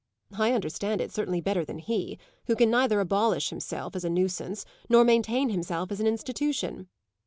I understand it certainly better than he, who can neither abolish himself as a nuisance nor maintain himself as an institution."